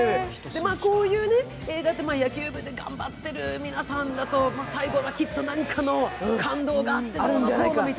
こういう映画って、野球部で頑張ってる皆さんだと最後はきっと何かの感動があるんじゃないかと。